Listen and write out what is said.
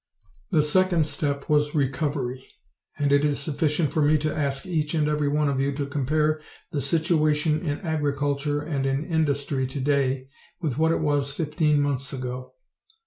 The second step was recovery, and it is sufficient for me to ask each and every one of you to compare the situation in agriculture and in industry today with what it was fifteen months ago.